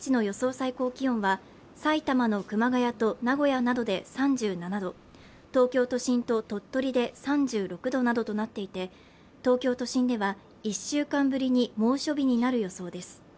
最高気温は埼玉の熊谷と名古屋などで３７度東京都心と鳥取で３６度などとなっていて東京都心では１週間ぶりに猛暑日になる予想です